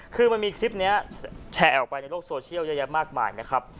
คือมันมีคลิปนี้แชร์ออกไปในโลกโซเชียลเยอะแยะมากมายนะครับ